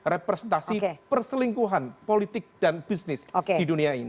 representasi perselingkuhan politik dan bisnis di dunia ini